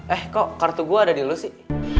eh kok kartu gua ada di lu sih